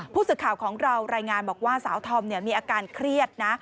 ผู้สื่อข่าวของเรารายงานบอกว่าสาวธอมมีอาการเครียดนะ